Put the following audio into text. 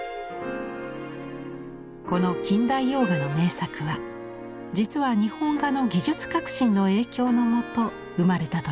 この近代洋画の名作は実は日本画の技術革新の影響のもと生まれたといいます。